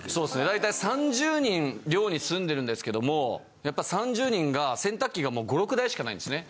大体３０人寮に住んでるんですけどもやっぱ３０人が洗濯機が５６台しかないんですね。